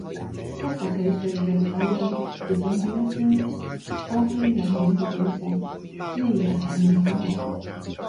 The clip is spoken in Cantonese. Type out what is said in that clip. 七十幾歲嘅羅家英接種第一針科興疫苗後表示：乜嘢反應都冇